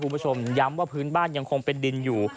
คุณผู้ชมย้ำว่าพื้นบ้านยังคงเป็นดินอยู่